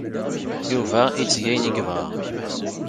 Yuba itteg ayen ay yebɣa.